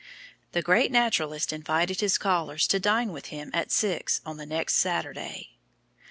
The great naturalist invited his callers to dine with him at six on the next Saturday.